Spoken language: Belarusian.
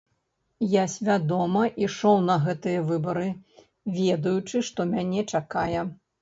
Я свядома ішоў на гэтыя выбары, ведаючы, што мяне чакае.